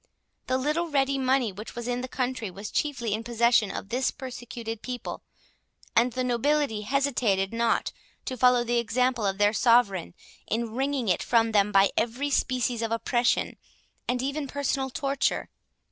The little ready money which was in the country was chiefly in possession of this persecuted people, and the nobility hesitated not to follow the example of their sovereign, in wringing it from them by every species of oppression, and even personal torture.